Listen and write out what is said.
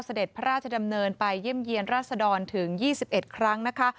เสด็จพระราชดำเนินไปเยี่ยมเยี่ยนราษดรถึง๒๑ครั้งนะคะ